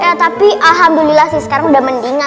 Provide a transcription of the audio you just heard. ya tapi alhamdulillah sih sekarang udah mendingan